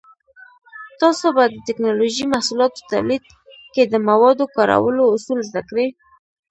تاسو به د ټېکنالوجۍ محصولاتو تولید کې د موادو کارولو اصول زده کړئ.